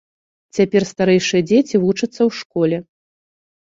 Цяпер старэйшыя дзеці вучацца ў школе.